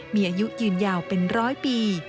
มีอายุยืนยาวเป็นร้อยปี